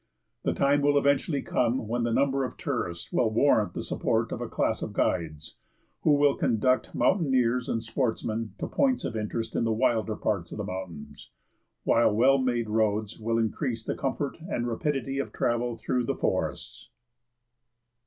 The time will eventually come when the number of tourists will warrant the support of a class of guides, who will conduct mountaineers and sportsmen to points of interest in the wilder parts of the mountains, while well made roads will increase the comfort and rapidity of travel through the forests.